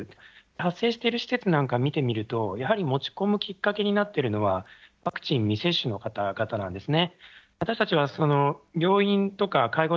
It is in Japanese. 発生してる施設なんか見てみるとやはり持ち込むきっかけになってるのはワクチン未接種の方々なんですね。